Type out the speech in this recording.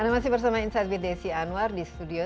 anda masih bersama insight with desi anwar di studio